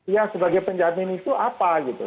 ya sebagai penjamin itu apa gitu